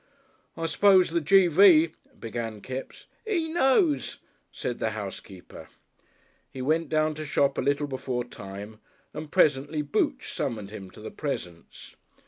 "I suppose the G. V. " began Kipps. "He knows," said the housekeeper. He went down to shop a little before time, and presently Booch summoned him to the presence.